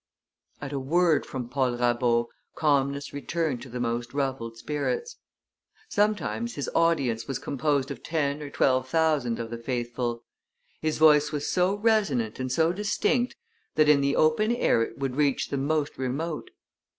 At a word from Paul Rabaut calmness returned to the most ruffled spirits; sometimes his audience was composed of ten or twelve thousand of the faithful; his voice was so resonant and so distinct, that in the open air it would reach the most remote.